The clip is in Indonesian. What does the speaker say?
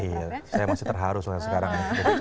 iya saya masih terharu sebenarnya sekarang